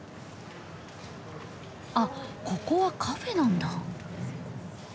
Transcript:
あっここはカフェなんだ。